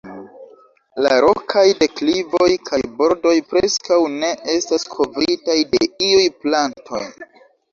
La rokaj deklivoj kaj bordoj preskaŭ ne estas kovritaj de iuj plantoj.